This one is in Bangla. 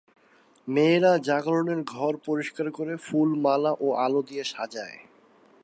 মেয়েরা জাগরণের ঘর পরিষ্কার করে ফুল, মালা ও আলো দিয়ে সাজায়।